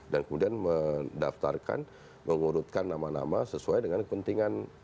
dan kemudian mendaftarkan mengurutkan nama nama sesuai dengan kepentingan